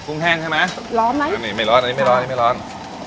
แห้งใช่ไหมร้อนไหมอันนี้ไม่ร้อนอันนี้ไม่ร้อนอันนี้ไม่ร้อน